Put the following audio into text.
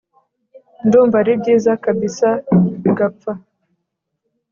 ndumva aribyiza kabsa gapfa